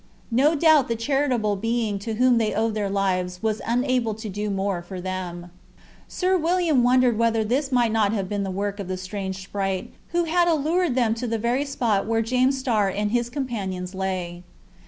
No doubt the charitable being to whom they owed their lives was unable to do more for them. Sir William wondered whether this might not have been the work of the strange sprite who had allured them to the very spot where James Starr and his companions lay.